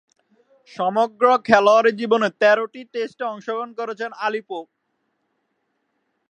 সমগ্র খেলোয়াড়ী জীবনে তেরোটি টেস্টে অংশগ্রহণ করেছেন অলি পোপ।